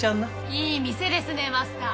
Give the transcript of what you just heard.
いい店ですねマスター。